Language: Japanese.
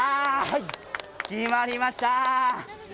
はい決まりました。